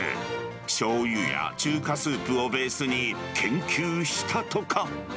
しょうゆや中華スープをベースに、研究したとか。